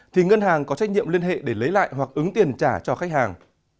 thì ngân hàng có trách nhiệm liên hệ để lấy lại hoặc ứng tiền trả cho khách hàng